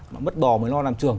mất bò mới lo làm trường